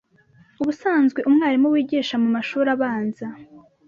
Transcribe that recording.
Ubusanzwe umwarimu wigisha mu mashuri abanza